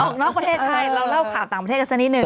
ออกนอกประเทศใช่เราเล่าข่าวต่างประเทศกันสักนิดหนึ่ง